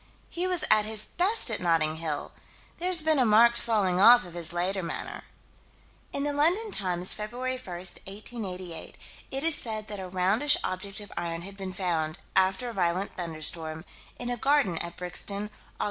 He was at his best at Notting Hill: there's been a marked falling off in his later manner: In the London Times, Feb. 1, 1888, it is said that a roundish object of iron had been found, "after a violent thunderstorm," in a garden at Brixton, Aug.